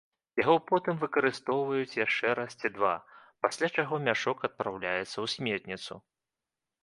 Яго потым выкарыстоўваюць яшчэ раз ці два, пасля чаго мяшок адпраўляецца ў сметніцу.